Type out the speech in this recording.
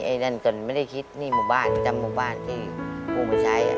นั่นก็ไม่ได้คิดหนี้หมู่บ้านประจำหมู่บ้านที่กู้มาใช้